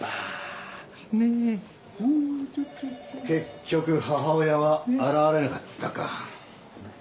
結局母親は現れなかったか。